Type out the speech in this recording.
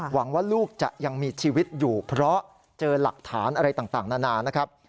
หวังว่าลูกจะยังมีชีวิตอยู่เพราะเจอหลักฐานอะไรต่างนานานะครับ